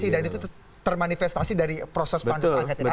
dan itu termanifestasi dari proses pansus angkatan